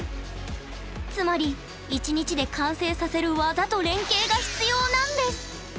つまり１日で完成させる技と連携が必要なんです。